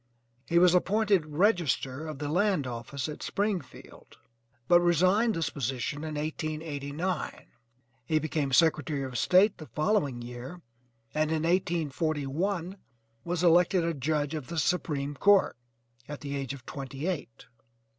He was appointed register of the land office at Springfield, but resigned this position in 1889. He became Secretary of State the following year, and in 1841 was elected a judge of the Supreme Court at the age of twenty eight.